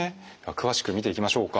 詳しく見ていきましょうか。